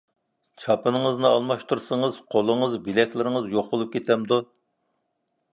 چاپىنىڭىزنى ئالماشتۇرسىڭىز، قولىڭىز، بىلەكلىرىڭىز يوق بولۇپ كېتەمدۇ؟